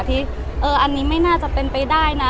ที่อันนี้ไม่น่าจะเป็นไปได้นะ